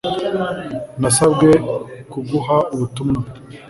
nasabwe kuguha ubutumwa